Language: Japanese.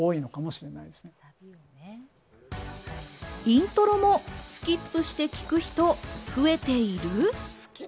イントロもスキップして聴く人、増えている！？